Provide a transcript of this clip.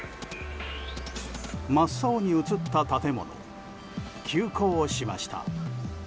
真っ青に映った建物急行しました。